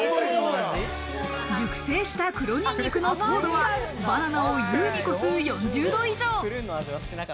熟成した黒にんにくの糖度はバナナを優に超す、４０度以上。